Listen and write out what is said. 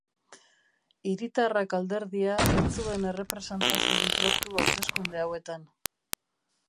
Hiritarrak alderdia ez zuen errepresentaziorik lortu hauteskunde hauetan.